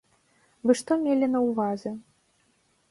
Вы што мелі на ўвазе?